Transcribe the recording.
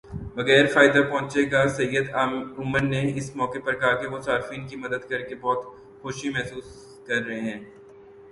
بغیر فائدہ پہنچے گا سید عمر نے اس موقع پر کہا کہ وہ صارفین کی مدد کرکے بہت خوشی محسوس کر رہے ہیں